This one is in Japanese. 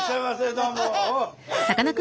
どうも！